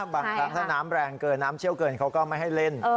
บางครั้งถ้าน้ำแรงเกินน้ำเชี่ยวเกินเขาก็ไม่ให้เล่น